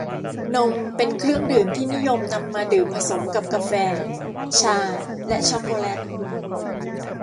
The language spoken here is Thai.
นม เป็นเครื่องดื่มที่นิยมนำมาดื่มผสมกับกาแฟ ชา และช็อคโกแล็ต